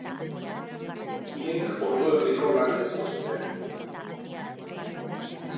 Biek orduerdiko lana izan zuten.